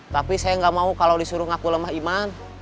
tapi saya nggak mau kalau disuruh ngaku lemah iman